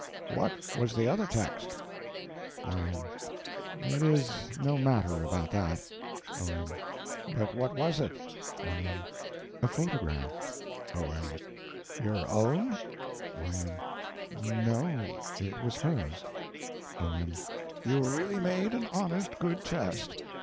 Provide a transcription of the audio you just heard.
What was the other text? Y.M. It is no matter about that. O.M. But what was it? Y.M. A photograph. O.M. Your own? Y.M. No. It was hers. O.M. You really made an honest good test.